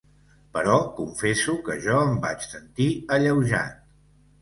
Però confesso que jo em vaig sentir alleujat.